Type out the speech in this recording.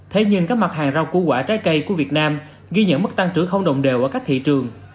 thế nhưng các mặt hàng rau củ quả trái cây của việt nam ghi nhận mức tăng trưởng không đồng đều ở các thị trường